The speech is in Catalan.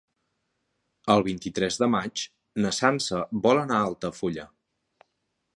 El vint-i-tres de maig na Sança vol anar a Altafulla.